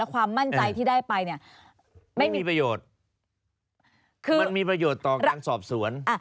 ที่ได้ไปเนี่ยไม่มีไม่มีประโยชน์คือมันมีประโยชน์ต่อการสอบสวนอ่ะ